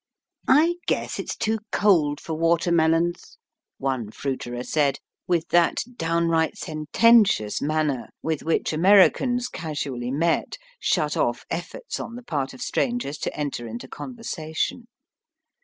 ^^I guess it's too cold for water melons," one fruiterer said, with that downright senten tious manner with which Americans casually met shut off efforts on the part of strangers to enter into conversation.